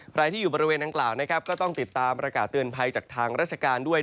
ใครที่อยู่บริเวณดังกล่าวนะครับก็ต้องติดตามประกาศเตือนภัยจากทางราชการด้วย